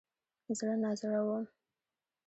زړه نازړه وم.